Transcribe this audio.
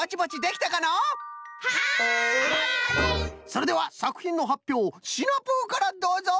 それではさくひんのはっぴょうシナプーからどうぞ！